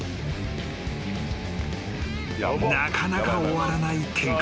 ［なかなか終わらないケンカ］